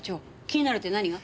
気になるって何が？